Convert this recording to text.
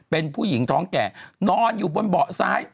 เป็นผู้หญิงท้องแก่นอนอยู่บนเบาะซ้าย